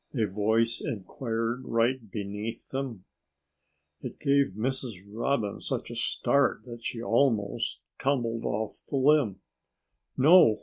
a voice inquired right beneath them. It gave Mrs. Robin such a start that she almost tumbled off the limb. "No!